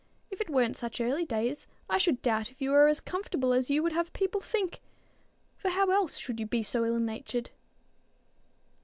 If it weren't such early days, I should doubt if you were as comfortable as you would have people think; for how else should you be so ill natured?"